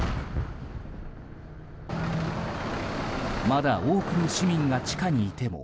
まだ多くの市民が地下にいても